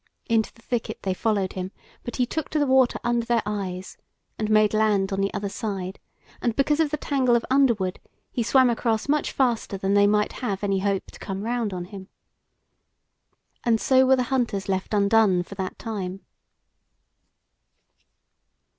Into the thicket they followed him, but he took to the water under their eyes and made land on the other side; and because of the tangle of underwood, he swam across much faster than they might have any hope to come round on him; and so were the hunters left undone for that time.